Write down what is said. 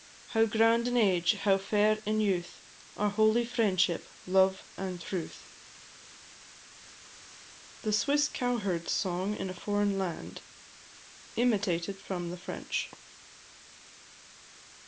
How grand in age, how fair in youth, Are holy "Friendship, Love, and Truth!" THE SWISS COWHERD'S SONG IN A FOREIGN LAND. IMITATED FROM THE FRENCH.